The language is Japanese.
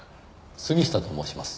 杉下と申します。